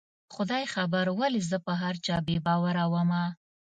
خدای خبر ولې زه په هر چا بې باوره ومه